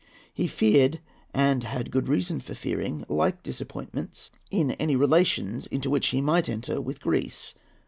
He feared, and had good reason for fearing, like disappointments in any relations into which he might enter with Greece.